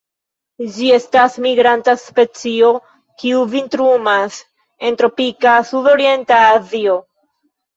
Ĝi estas migranta specio, kiu vintrumas en tropika sudorienta Azio.